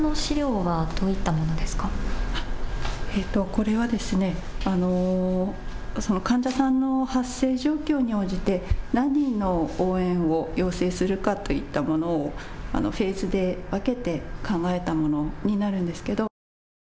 これは患者さんの発生状況に応じて何人の応援を要請するかといったものをフェーズで分けて考えたものになるんですけど。